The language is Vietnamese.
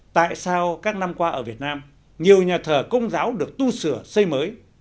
tại sao các năm qua ở việt nam nhiều nhà thờ công giáo được tu sửa xây mới